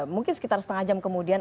mungkin sekitar setengah jam kemudian